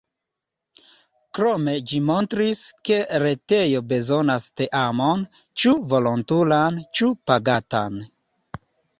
Krome ĝi montris, ke retejo bezonas teamon, ĉu volontulan ĉu pagatan.